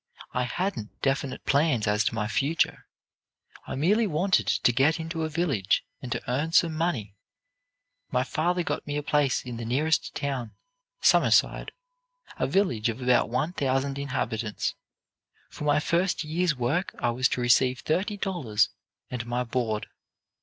I hadn't definite plans as to my future. I merely wanted to get into a village, and to earn some money. "My father got me a place in the nearest town, Summerside, a village of about one thousand inhabitants. For my first year's work I was to receive thirty dollars and my board.